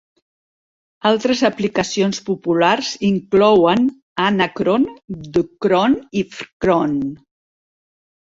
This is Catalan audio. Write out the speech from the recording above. Altres aplicacions populars inclouen anacron, dcron i fcron.